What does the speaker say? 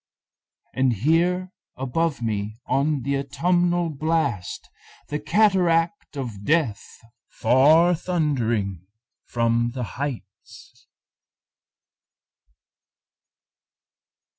And hear above me on the autumnal blast The cataract of Death far thundering from the heights.